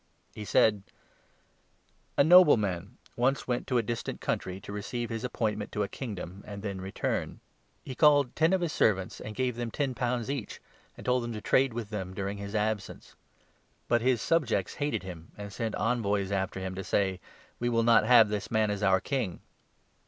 He said : 12 "A nobleman once went to a distant country to receive his appointment to a Kingdom and then return. He called ten 13 , 34. 16. 148 LUKE, 19. of his servants and gave them ten pounds each, and told them to trade with them during his absence. But his subjects 14 hated him and sent envoys after him to say ' We will not have this man as our King.'